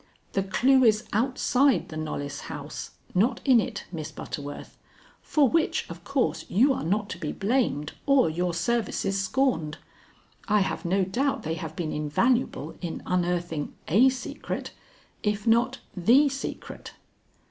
The clue is outside the Knollys house, not in it, Miss Butterworth, for which, of course, you are not to be blamed or your services scorned. I have no doubt they have been invaluable in unearthing a secret, if not the secret."